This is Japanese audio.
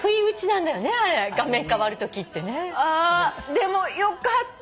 でもよかった。